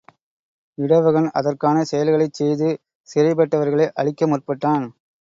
இடவகன் அதற்கான செயல்களைச் செய்து சிறைப்பட்டவர்களை அழிக்க முற்பட்டான்.